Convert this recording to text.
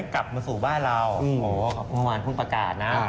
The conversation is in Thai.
กลับมาสู่บ้านเราโอ้โหเมื่อวานเพิ่งประกาศนะ